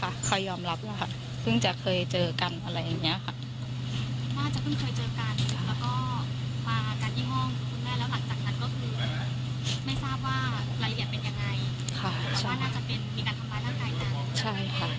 ใช่ค่ะใครยอมรับว่าเพิ่งจะเคยเจอกันอะไรอย่างนี้ค่ะ